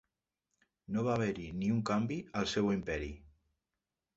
No va haver-hi ni un canvi al seu imperi.